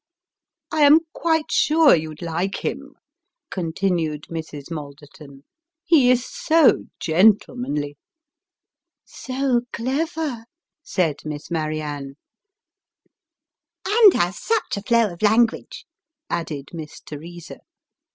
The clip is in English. " I am quite sure you'd like him," continued Mrs. Malderton, " he is so gentlemanly !"" So clever !" said Miss Marianne. " And has such a flow of language !" added Miss Teresa.